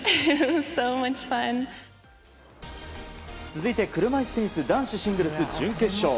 続いて車いすテニス男子シングルス準決勝。